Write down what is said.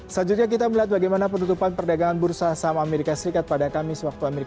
selanjutnya kita lihat bagaimana penutupan perdagangan bursa saham as pada kamis